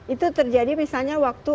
itu terjadi misalnya waktu